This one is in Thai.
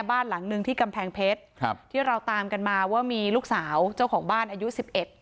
บ้านหลังหนึ่งที่กำแพงเพชรครับที่เราตามกันมาว่ามีลูกสาวเจ้าของบ้านอายุสิบเอ็ด